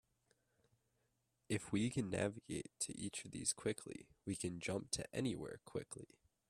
If we can navigate to each of these quickly, we can jump to anywhere quickly.